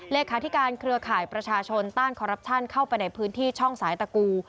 เลขาธิการเครือข่ายประชาชนต้านคอรัปชั่นเข้าไปในพื้นที่ช่องสายตะกู